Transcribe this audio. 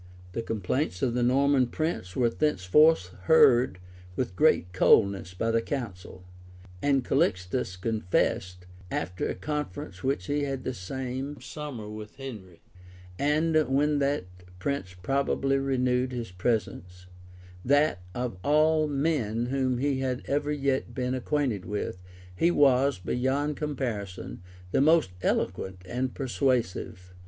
The complaints of the Norman prince were thenceforth heard with great coldness by the council; and Calixtus confessed, after a conference which he had the same sunaaier with Henry, and when that prince probably renewed his presents, that, of all men whom he had ever yet been acquainted with, he was, beyond comparison, the most eloquent and persuasive.